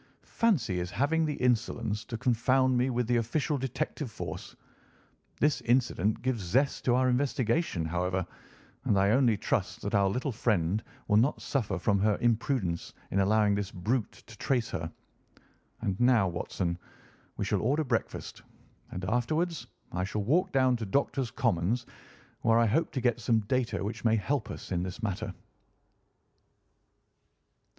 "Fancy his having the insolence to confound me with the official detective force! This incident gives zest to our investigation, however, and I only trust that our little friend will not suffer from her imprudence in allowing this brute to trace her. And now, Watson, we shall order breakfast, and afterwards I shall walk down to Doctors' Commons, where I hope to get some data which may help us in this matter."